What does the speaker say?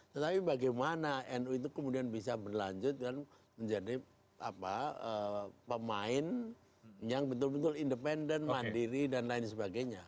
tetapi bagaimana nu itu kemudian bisa berlanjut dan menjadi pemain yang betul betul independen mandiri dan lain sebagainya